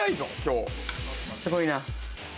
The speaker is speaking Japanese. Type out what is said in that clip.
すごいな。